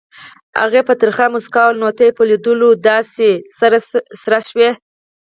هغې په ترخه موسکا وویل نو ته یې په لیدو ولې داسې سره شوې؟